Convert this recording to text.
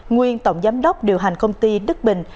nguyên tổng giám đốc điều hành công ty đức bình